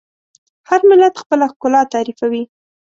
هر ملت خپله ښکلا تعریفوي.